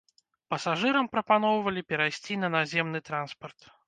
Пасажырам прапаноўвалі перайсці на наземны транспарт.